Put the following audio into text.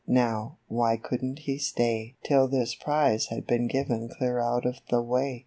Now, why couldn't he stay Till this prize had been given clear out of the way.